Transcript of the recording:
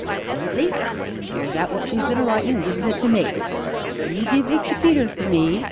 An' presently she tears out what she's been a writin' an' gives it to me. 'Will you give this to Peter for me?'